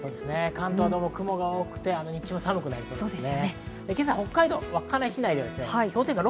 関東は雲が多くて、日中寒くなりそうです。